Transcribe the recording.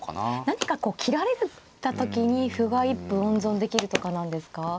何かこう切られた時に歩が一歩温存できるとかなんですか。